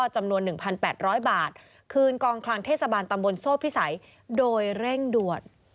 จำนวน๑๘๐๐บาทคืนกองคลังเทศบาลตำบลโซ่พิสัยโดยเร่งด่วน